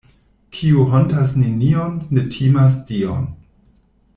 Kiu hontas nenion, ne timas Dion.